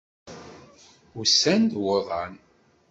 Ussan d wuḍan.